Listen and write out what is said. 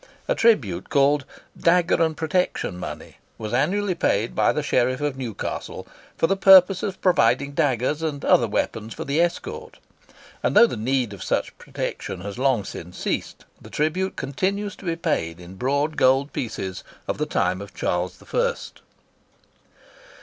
A tribute called "dagger and protection money" was annually paid by the Sheriff of Newcastle for the purpose of providing daggers and other weapons for the escort; and, though the need of such protection has long since ceased, the tribute continues to be paid in broad gold pieces of the time of Charles the First.